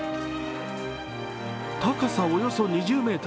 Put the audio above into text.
高さおよそ２０ｍ。